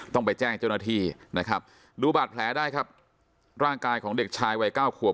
ต้องไปแจ้งเจ้าหน้าที่นะครับดูบาดแผลได้ครับร่างกายของเด็กชายวัยเก้าขวบ